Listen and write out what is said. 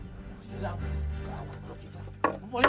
tidak mau kita